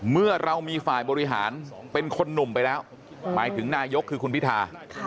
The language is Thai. เมื่อเรามีฝ่ายบริหารเป็นคนหนุ่มไปแล้วหมายถึงนายกคือคุณพิธา